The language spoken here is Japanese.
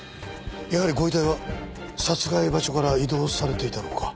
やはりご遺体は殺害場所から移動されていたのか。